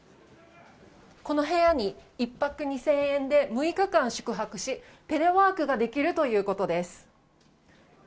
この部屋に１泊２０００円で６日間宿泊し、テレワークができるということです。